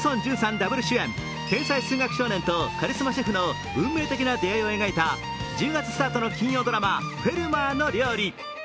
ダブル主演、天才数学少年とカリスマシェフの運命的な出会いを描いた１０月スタートの金曜ドラマ「フェルマーの料理」。